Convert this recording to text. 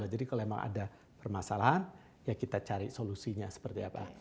jadi kalau memang ada permasalahan ya kita cari solusinya seperti apa